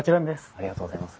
ありがとうございます。